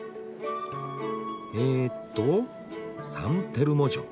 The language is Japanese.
えっと「サンテルモ城。